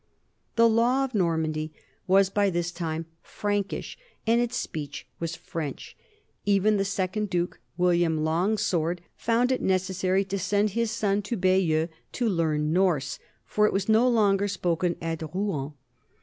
The law of Normandy was by this time Prankish, and its speech was French. Even the second duke, William Longsword, found it necessary to send his son to Bayeux to learn Norse, for it was no longer spoken at Rouen.